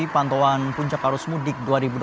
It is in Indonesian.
pantauan puncak arus mudik dua ribu dua puluh